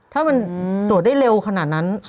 ถ้ามันตรวจได้เร็วขนาดนั้น